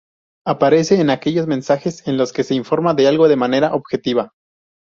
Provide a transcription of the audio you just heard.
Aparece en aquellos mensajes en los que se informa de algo de manera objetiva.